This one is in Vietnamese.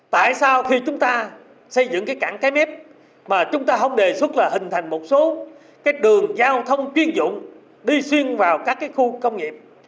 tại sao khi chúng ta xây dựng cái cảng cái mép mà chúng ta không đề xuất là hình thành một số cái đường giao thông chuyên dụng đi xuyên vào các cái khu công nghiệp